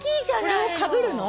これをかぶるの？